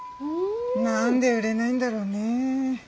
何で売れないんだろうね。